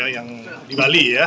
yang di bali ya